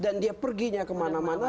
dan dia perginya kemana mana